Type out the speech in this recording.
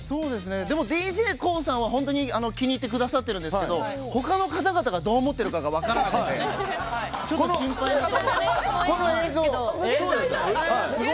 でもＤＪＫＯＯさんは本当に気に入ってくださってるんですけど他の方々がどう思ってるかが分からないのでこの映像は。